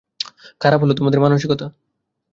খারাপ হলো তোমাদের মানসিকতা।